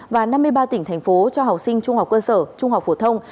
và năm mươi ba tỉnh thành phố cho học sinh trung học cơ sở trung học phổ thông